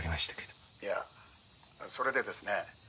「いやそれでですね